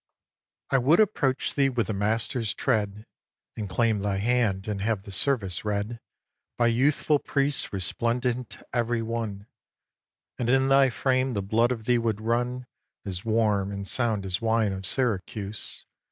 v. I would approach thee with a master's tread And claim thy hand and have the service read By youthful priests resplendent every one; And in thy frame the blood of thee would run As warm and sound as wine of Syracuse.